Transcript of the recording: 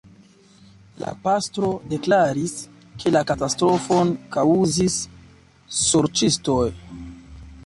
La pastro deklaris, ke la katastrofon kaŭzis sorĉistoj.